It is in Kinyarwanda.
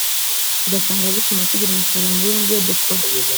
ugasanga bituma tugira umusaruro mubi mu byo dukora